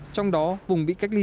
trong đó vùng bị cách ly